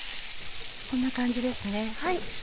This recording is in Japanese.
こんな感じですね。